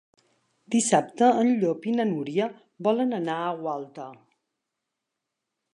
Dissabte en Llop i na Núria volen anar a Gualta.